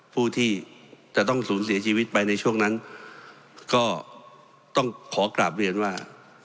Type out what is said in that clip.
ผู้ที่จะต้องสูญเสียชีวิตไปในช่วงนั้นก็ต้องขอกราบเรียนว่า